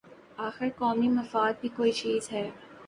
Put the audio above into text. آخر قومی مفاد بھی کوئی چیز ہے۔